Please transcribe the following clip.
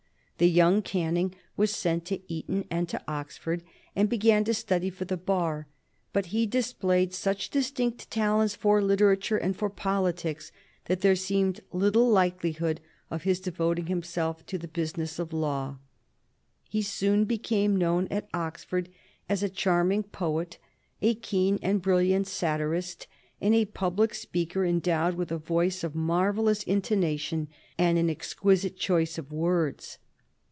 The young Canning was sent to Eton and to Oxford, and began to study for the bar, but he displayed such distinct talents for literature and for politics that there seemed little likelihood of his devoting himself to the business of law. He soon became known at Oxford as a charming poet, a keen and brilliant satirist, and a public speaker endowed with a voice of marvellous intonation and an exquisite choice of words.